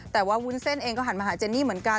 แต่ว่าวุ้นเส้นเองก็หันมาหาเจนนี่เหมือนกัน